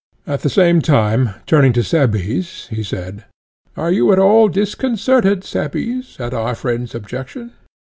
At the same time, turning to Cebes, he said: Are you at all disconcerted, Cebes, at our friend's objection?